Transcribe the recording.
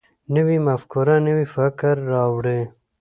نوې مفکوره نوی فکر راوړي